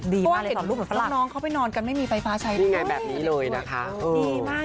ดีมากเลยสอนรูปเหมือนฝรั่งพวกน้องเข้าไปนอนกันไม่มีไฟฟ้าใช้นี่ไงแบบนี้เลยนะค่ะ